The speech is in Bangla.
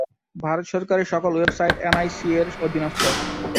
ভারত সরকারের সকল ওয়েবসাইট এনআইসি-র অধীনস্থ।